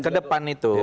ke depan itu